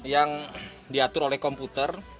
yang diatur oleh komputer